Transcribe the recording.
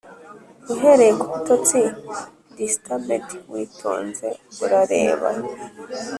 uhereye kubitotsi disturbèd, witonze urareba